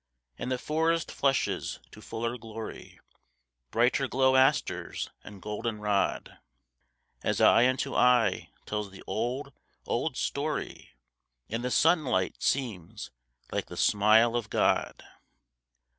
And the forest flushes to fuller glory: Brighter glow asters and golden rod, As eye unto eye tells the old, old story, And the sunlight seems like the smile of God.